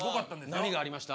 何がありました？